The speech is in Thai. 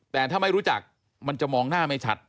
แต่ถ้าไม่รู้จักมันจะมองหน้าไม่ชัด